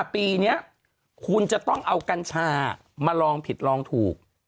ปีนี้คุณจะต้องเอากัญชามาลองผิดลองถูก